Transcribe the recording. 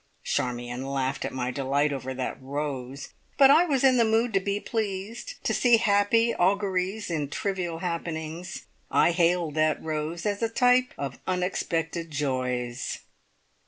Charmion laughed at my delight over that rose, but I was in the mood to be pleased, to see happy auguries in trivial happenings. I hailed that rose as a type of unexpected joys.